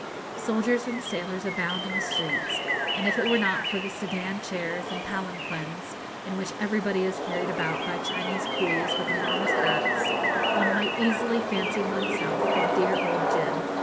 Soldiers and sailors abound in the streets; and if it were not for the sedan chairs and palanquins, in which everybody is carried about by Chinese coolies with enormous hats, one might easily fancy oneself at dear old Gib.